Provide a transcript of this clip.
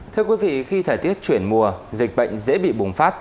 thưa quý vị khi thời tiết chuyển mùa dịch bệnh dễ bị bùng phát